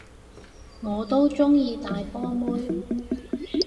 我都鍾意大波妹